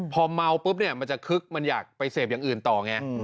พอเมาปุ๊บเนี่ยมันจะคึกมันอยากไปเสพอย่างอื่นต่อไง